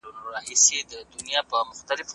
دی اوس په مدعا يمه زه